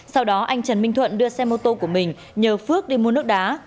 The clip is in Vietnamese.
sau đó anh trần minh thuận đưa xe mô tô của mình nhờ phước đi mua nước đá